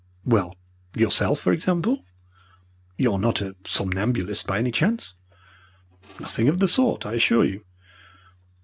"Well, yourself, for example. You are not a somnambulist, by any chance?" "Nothing of the sort, I assure you."